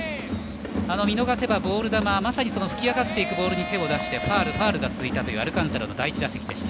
見逃せばボール球、まさにふき上がっていくボールに手を出してファウル、ファウルが続いたアルカンタラの第１打席です。